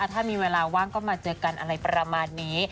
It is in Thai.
ถ้ามีเวลาว่างก็มาเจอกันอะไรประมาณนี้